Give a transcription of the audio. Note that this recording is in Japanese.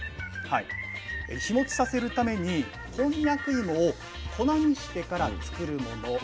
日持ちさせるためにこんにゃく芋を粉にしてから作るもの。